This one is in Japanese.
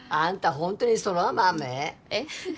ホントに空豆？えっ？